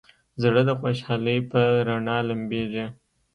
زړه د خوشحالۍ په رڼا لمبېږي.